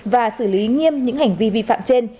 và xử lý nghiêm những hành vi vi phạm trên